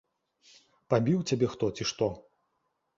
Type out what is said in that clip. Пабіў цябе хто, ці што?